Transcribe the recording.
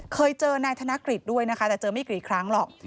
เคยเจอนายธนกฤษด้วยนะคะแต่เจอไม่กี่ครั้งหรอก